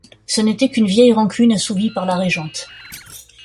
Ce n'était qu'une vieille rancune assouvie par la régente.